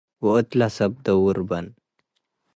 ወእት ለሰብ ደውር በን ።